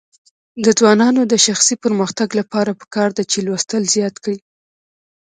د ځوانانو د شخصي پرمختګ لپاره پکار ده چې لوستل زیات کړي.